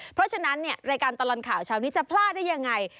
เพราะฉะนั้นเนี่ยรายการตลอดข่าวเช้านี้จะพลาดได้ยังไง